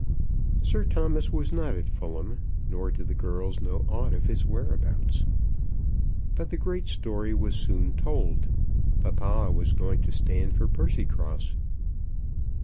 Sir Thomas was not at Fulham, nor did the girls know aught of his whereabouts. But the great story was soon told. Papa was going to stand for Percycross.